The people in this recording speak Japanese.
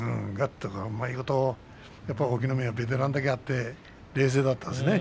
やっぱり隠岐の海はベテランだけあって冷静だったね。